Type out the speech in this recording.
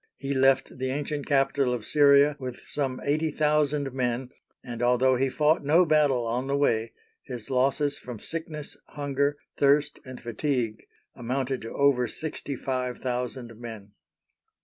He left the ancient capital of Syria with some eighty thousand men, and, although he fought no battle on the way, his losses from sickness, hunger, thirst, and fatigue amounted to over sixty five thousand men.